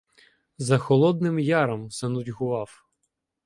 За Холодним Яром занудьгував.